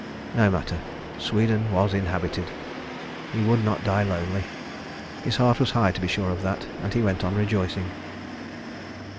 No matter. Sweden was inhabited. He would not die lonely. His heart was high to be sure of that, and he went on rejoicing.